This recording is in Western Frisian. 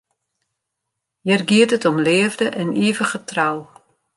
Hjir giet it om leafde en ivige trou.